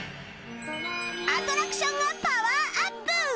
アトラクションがパワーアップ！